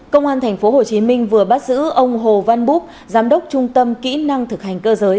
công an tp hcm vừa bắt giữ ông hồ văn búp giám đốc trung tâm kỹ năng thực hành cơ giới